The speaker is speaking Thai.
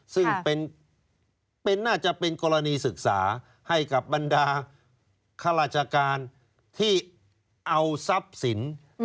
ซึ่งน่าจะเป็นกรณีศึกษาให้กับบรรดาข้าราชการที่เอาทรัพย์สิน